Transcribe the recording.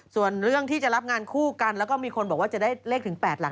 ส่วนเรื่องที่จะรับงานคู่กันแล้วก็มีคนบอกว่าจะได้เลขถึง๘หลัก